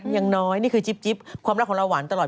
อย่างน้อยนี่คือจิ๊บความรักของเราหวานตลอด